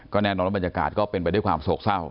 แน่นอนว่าบรรยากาศก็เป็นไปด้วยความโศกเศร้า